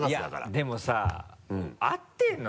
でもさ合ってるの？